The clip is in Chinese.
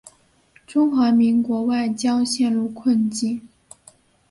中华民国外交陷入困境。